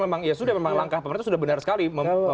memang ya sudah memang langkah pemerintah sudah benar sekali